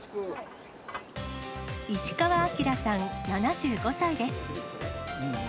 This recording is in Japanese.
石川昭さん７５歳です。